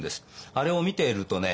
あれを見ているとね